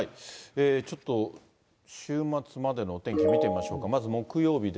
ちょっと週末までのお天気見てみましょうか。